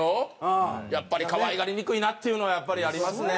やっぱり可愛がりにくいなっていうのはやっぱりありますね。